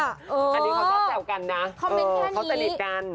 อันนี้เขาจะเจอกันนะเขาจะเน็ตกัน